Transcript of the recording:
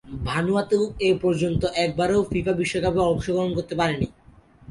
Vanuatu এপর্যন্ত একবারও FIFA বিশ্বকাপে অংশগ্রহণ করতে পারেনি।